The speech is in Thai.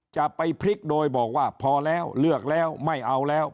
จะไปพลิกโดยบอกว่าพอแล้วเลือกแล้วไม่เอาแล้ว